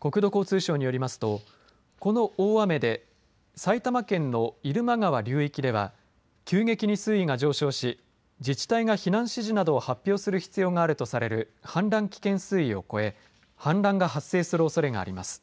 国土交通省によりますとこの大雨で埼玉県の入間川流域では急激に水位が上昇し自治体が避難指示などを発表する必要があるとされる氾濫危険水位を超え氾濫が発生するおそれがあります。